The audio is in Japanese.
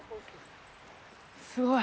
すごい。